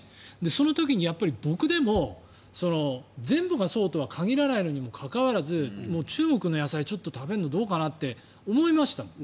その時に僕でも、全部がそうではないにもかかわらず中国の野菜ちょっと食べるのどうかなって思いましたもん。